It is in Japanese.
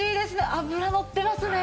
脂乗ってますね！